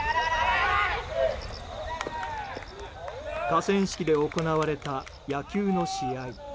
河川敷で行われた野球の試合。